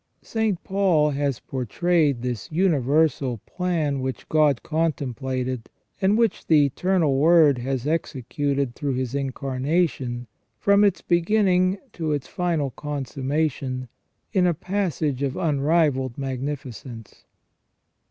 "* St. Paul has portrayed this universal plan which God contemplated, and which the Eternal Word has executed through His Incarnation, from its beginning to its final consummation, in a passage of unrivalled magnificence.